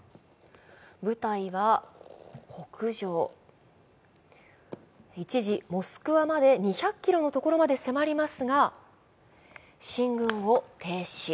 部隊は北上、一時、モスクワまで２００ｋｍのところまで迫りますが、進軍を停止。